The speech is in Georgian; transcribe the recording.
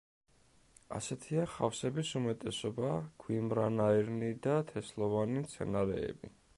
ასეთია ხავსების უმეტესობა, გვიმრანაირნი და თესლოვანი მცენარეები.